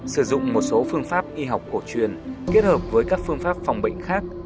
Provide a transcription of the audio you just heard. sử dụng một số phương pháp y học cổ truyền kết hợp với các phương pháp phòng bệnh khác